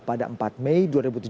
pada empat mei dua ribu tujuh belas